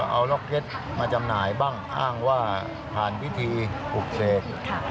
เอาล็อกเพชรมาจำหน่ายบ้างอ้างว่าผ่านพิธีปลุกเสก